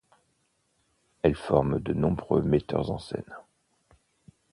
Elle forme de nombreux metteurs en scène.